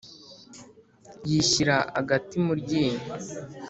Yishyira agati mu ryinyo